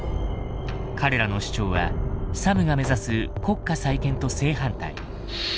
彼らの主張はサムが目指す国家再建と正反対。